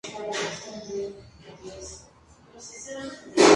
La conformación estructural de la insulina es esencial para su actividad como hormona.